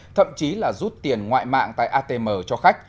thậm chí là rút tiền ngoại mạng tại atm cho khách